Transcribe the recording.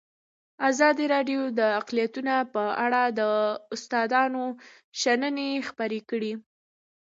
ازادي راډیو د اقلیتونه په اړه د استادانو شننې خپرې کړي.